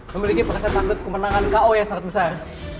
memiliki persentase kemenangan ko yang sangat besar